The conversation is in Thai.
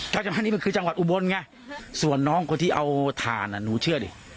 ก็จะมันนี่มันคือจังหวัดอุบลไงส่วนน้องคนที่เอาทานน่ะหนูเชื่อดิ